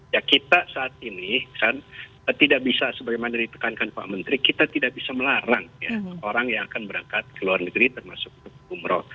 ya kita saat ini kan tidak bisa sebagaimana ditekankan pak menteri kita tidak bisa melarang orang yang akan berangkat ke luar negeri termasuk umroh